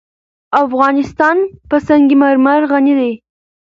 افغانستان په سنگ مرمر غني دی.